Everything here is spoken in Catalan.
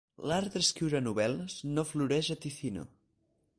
L'art d'escriure novel·les no floreix a Ticino.